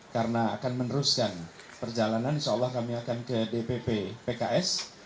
karena akan meneruskan perjalanan insyaallah kami akan ke dpp pks